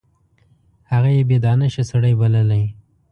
هغه یې بې دانشه سړی بللی.